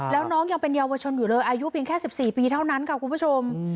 แล้วน้องยังเป็นเยาวชนอยู่เลยอายุเพียงแค่๑๔ปีเท่านั้นค่ะคุณผู้ชม